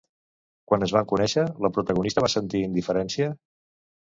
Quan es van conèixer, la protagonista va sentir indiferència?